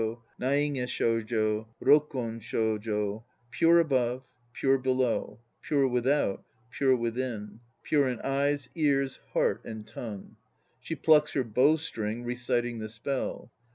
Naige shojo; rokon shojo. Pure above; pure below. Pure without; pure within. Pure in eyes, ears, heart and tongue. (She plucks her bow string, reciting the spell.)